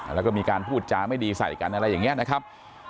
แล้วก็มีการพูดจาไม่ดีใส่กันอะไรอย่างนี้นะครับ